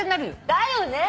だよね？